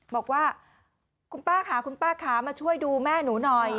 บอกว่าคุณป้าค่ะคุณป้าขามาช่วยดูแม่หนูหน่อย